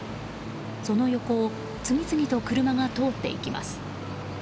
その横を次々と車が通っていきます。